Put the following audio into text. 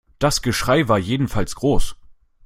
Das Geschrei war jedenfalls groß.